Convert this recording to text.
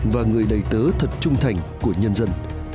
và người đầy tớ thật trung thành của nhân dân